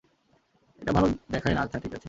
এটা ভালো দেখায় না আচ্ছা, ঠিক আছে।